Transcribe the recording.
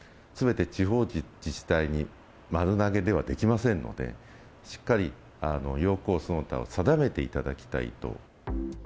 すべて地方自治体に丸投げではできませんので、しっかり要項その他を定めていただきたいと。